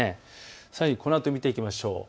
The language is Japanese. さらにこのあとを見ていきましょう。